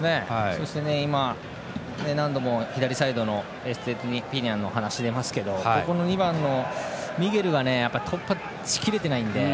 そして今、何度も左サイドのエストゥピニャンの話が出ますけど２番のミゲルが突破しきれてないので。